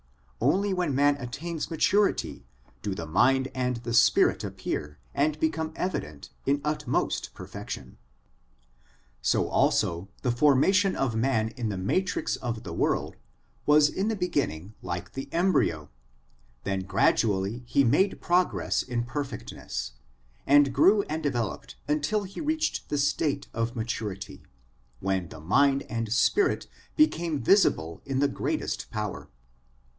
Only when man attains maturity do the mind and the spirit appear and become evident in utmost perfection. So also the formation of man in the matrix of the world was in the beginning like the embryo ; then gradually he made progress in perfectness, and grew and developed until he reached the state of maturity, when the mind and spirit became visible in the greatest power.